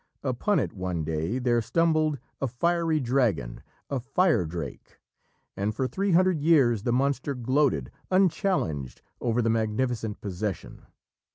Upon it one day there stumbled a fiery dragon a Firedrake and for three hundred years the monster gloated, unchallenged, over the magnificent possession.